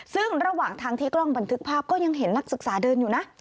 ซึ่งระหว่างทางที่กล้องบันทึกภาพก็ยังเห็นนักศึกษาเดินอยู่นะ